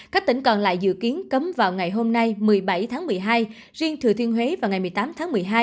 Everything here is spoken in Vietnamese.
các tỉnh còn lại dự kiến cấm vào ngày hôm nay một mươi bảy tháng một mươi hai riêng thừa thiên huế vào ngày một mươi tám tháng một mươi hai